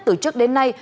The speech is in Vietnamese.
từ trước đến nay